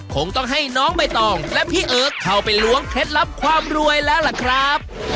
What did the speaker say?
คงต้องให้น้องใบตองและพี่เอิร์กเข้าไปล้วงเคล็ดลับความรวยแล้วล่ะครับ